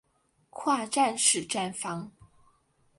跨站式站房。